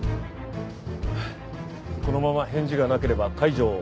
このまま返事がなければ解錠を。